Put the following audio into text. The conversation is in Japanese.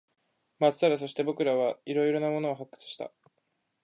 まっさら。そして、僕らは色々なものを発掘した。